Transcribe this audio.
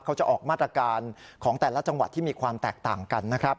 เขาจะออกมาตรการของแต่ละจังหวัดที่มีความแตกต่างกันนะครับ